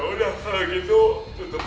siapa bawa kunci sendiri